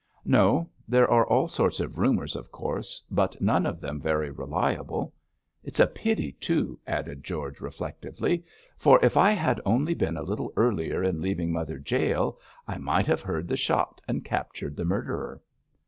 'No; there are all sorts of rumours, of course, but none of them very reliable. It's a pity, too,' added George, reflectively, 'for if I had only been a little earlier in leaving Mother Jael I might have heard the shot and captured the murderer.'